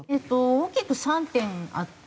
大きく３点あって。